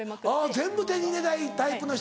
全部手に入れたいタイプの人。